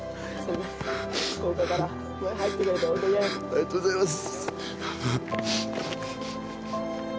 ありがとうございます。